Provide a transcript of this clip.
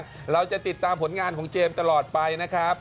เราจะติดตามผลงานของเจมส์ตลอดไปนะครับ